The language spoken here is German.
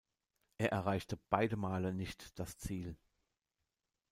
Er erreichte beide Male nicht das Ziel.